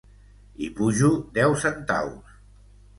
I pujo deu centaus.